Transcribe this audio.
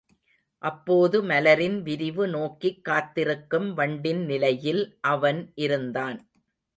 அப்போது மலரின் விரிவு நோக்கிக் காத்திருக்கும் வண்டின் நிலையில் அவன் இருந்தான்.